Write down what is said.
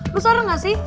lo saran gak sih